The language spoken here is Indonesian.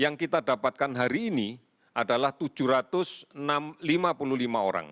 yang kita dapatkan hari ini adalah tujuh ratus lima puluh lima orang